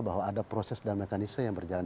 bahwa ada proses dan mekanisme yang berjalan